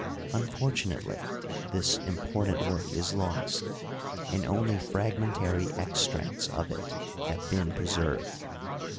Unfortunately, this important work is lost, and only frag mentary extracts of it have been preserved.